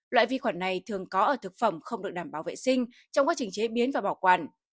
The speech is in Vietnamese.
loại vi khuẩn này thường có ở thực phẩm không được đảm bảo vệ sinh trong quá trình chế biến và bảo quản